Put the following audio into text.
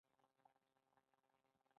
يقيناً هغه خلک چي قصدا كافران شوي